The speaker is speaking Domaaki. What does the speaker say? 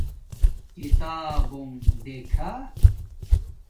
کتابونݣ دیکھہ